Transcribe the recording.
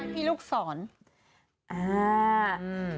พี่ลูกศร